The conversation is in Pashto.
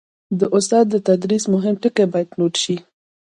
د استاد د تدریس مهم ټکي باید نوټ شي.